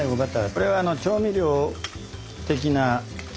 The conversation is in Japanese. これは調味料的な。